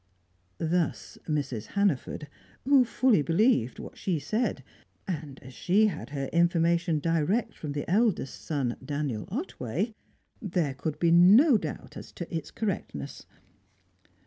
Thus Mrs. Hannaford, who fully believed what she said; and as she had her information direct from the eldest son, Daniel Otway, there could be no doubt as to its correctness.